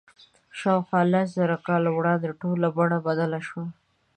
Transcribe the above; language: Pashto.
شاوخوا لس زره کاله وړاندې ټوله بڼه بدله شوه.